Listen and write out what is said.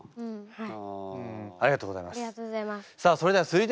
はい！